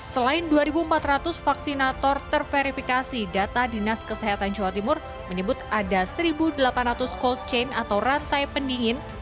selain dua empat ratus vaksinator terverifikasi data dinas kesehatan jawa timur menyebut ada satu delapan ratus cold chain atau rantai pendingin